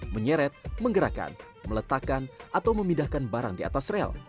menyeret menggerakkan meletakkan atau memindahkan barang di atas rel